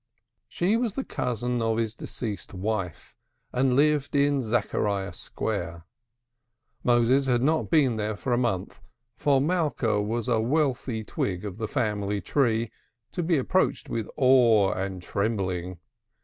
She was the cousin of his deceased wife, and lived in Zachariah Square. Moses had not been there for a month, for Malka was a wealthy twig of the family tree, to be approached with awe and trembling.